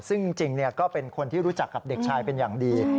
ซึ่งจริงก็เป็นคนที่รู้จักกับเด็กชายเป็นอย่างดี